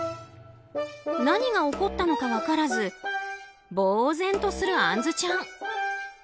何が起こったのか分からず呆然とするあんずちゃん。